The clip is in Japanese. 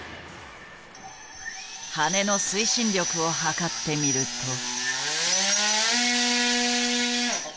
羽根の推進力を測ってみると。